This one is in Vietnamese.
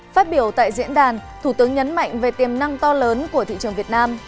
phát biểu tại diễn đàn thủ tướng nhấn mạnh về tiềm năng to lớn của thị trường việt nam